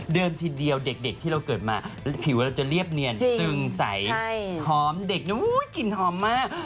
ทีเดียวเด็กที่เราเกิดมาผิวเราจะเรียบเนียนซึงใสหอมเด็กกลิ่นหอมมาก